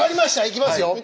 いきますよ。